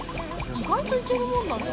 意外といけるものなんだ。